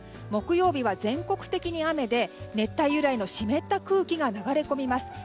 木曜日は全国的に雨で熱帯由来の湿った雨が流れ込みます。